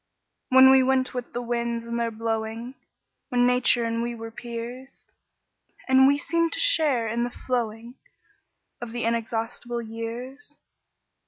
When we went with the winds in their blowing, When Nature and we were peers, And we seemed to share in the flowing Of the inexhaustible years?